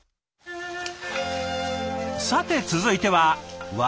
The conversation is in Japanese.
さて続いてはうわ！